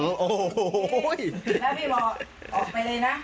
โอ้โหแล้วพี่บอกออกไปเลยนะ